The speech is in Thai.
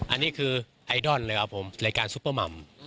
อันนี้คือไอดอลเลยครับผมรายการซุปเปอร์มัม